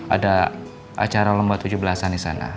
ada acara lembah tujuh belas an disana